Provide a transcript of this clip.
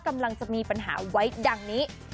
กำลังจะมีปัญหาไว้ดังนี้